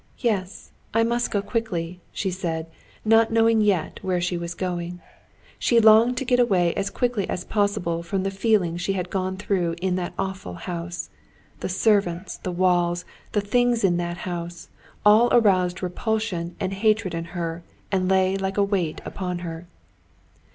"Yes, I must go quickly," she said, not knowing yet where she was going. She longed to get away as quickly as possible from the feelings she had gone through in that awful house. The servants, the walls, the things in that house—all aroused repulsion and hatred in her and lay like a weight upon her.